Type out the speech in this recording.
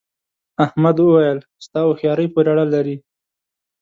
احمد وويل: ستا هوښیارۍ پورې اړه لري.